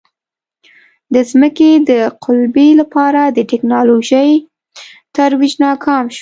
د ځمکې د قُلبې لپاره د ټکنالوژۍ ترویج ناکام شو.